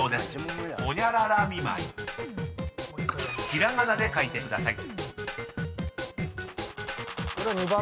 ［ひらがなで書いてください］